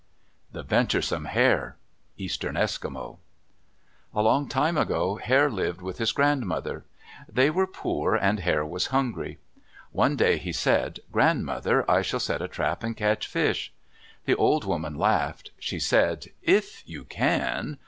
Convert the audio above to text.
THE VENTURESOME HARE Eastern Eskimo A long time ago, Hare lived with his grandmother. They were poor, and Hare was hungry. One day he said, "Grandmother, I shall set a trap and catch fish." The old woman laughed. She said, "If you can!